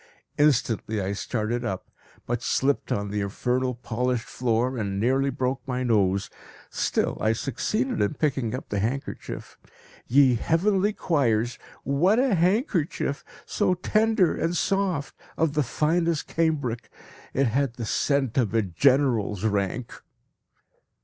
Instantly I started up, but slipped on the infernal polished floor, and nearly broke my nose. Still I succeeded in picking up the handkerchief. Ye heavenly choirs, what a handkerchief! So tender and soft, of the finest cambric. It had the scent of a general's rank!